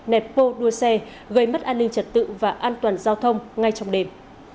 nét pô đua xe gây mất an ninh trật tự và an toàn giao thông ngay trong đêm